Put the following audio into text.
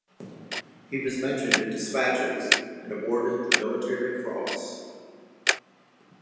He was mentioned in despatches and awarded the Military Cross.